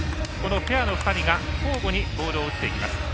このペアの２人が交互にボールを打っていきます。